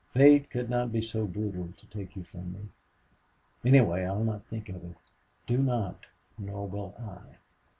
"Fate could not be so brutal to take you from me. Anyway, I'll not think of it." "Do not. Nor will I...